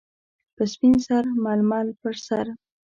- په سپین سر ململ پر سر.